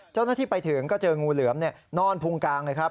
เจ้าหน้าที่ไปถึงก็เจองูเหลือมนอนพุงกางเลยครับ